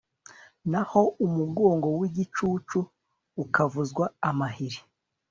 naho umugongo w'igicucu ukavuzwa amahiri